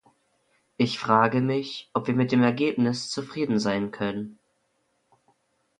Ich frage mich, ob wir mit dem Ergebnis zufrieden sein können.